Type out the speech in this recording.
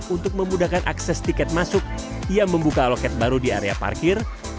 untuk memudahkan akses tiket masuk ia membuka loket baru di area parkir